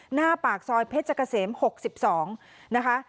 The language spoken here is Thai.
หน้าปากซอยเพชรเกษมหกสิบสองนะคะ